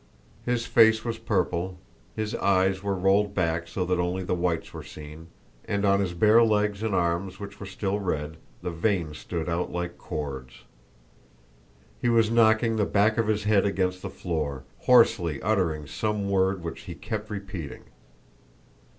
His face was purple, his eyes were rolled back so that only the whites were seen, and on his bare legs and arms which were still red, the veins stood out like cords. He was knocking the back of his head against the floor, hoarsely uttering some word which he kept repeating.